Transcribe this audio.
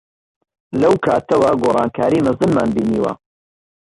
لەو کاتەوە گۆڕانکاریی مەزنمان بینیوە.